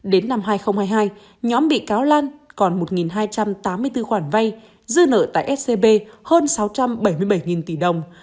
đến năm hai nghìn hai mươi hai nhóm bị cáo lan còn một hai trăm tám mươi bốn khoản vay dư nợ tại scb hơn sáu trăm bảy mươi bảy tỷ đồng